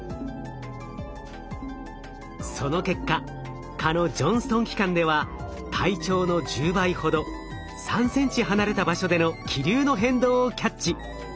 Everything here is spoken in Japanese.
その結果蚊のジョンストン器官では体長の１０倍ほど３ｃｍ離れた場所での気流の変動をキャッチ。